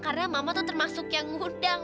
karena mama tuh termasuk yang ngundang